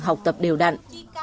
học tập đều đặn